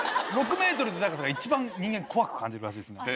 ６ｍの高さがいちばん人間怖く感じるらしいですね。